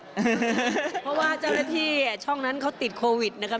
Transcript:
เพราะว่าเจ้าหน้าที่ช่องนั้นเขาติดโควิดนะครับ